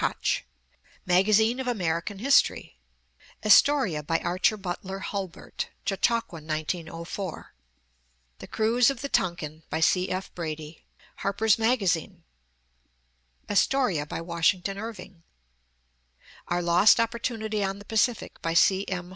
Koch, Magazine of American History; Astoria, by Archer Butler Hulbert, Chautauquan, 1904; The Cruise of the Tonquin, by C. F. Brady, Harper's Magazine; Astoria, by Washington Irving; Our Lost Opportunity on the Pacific, by C. M.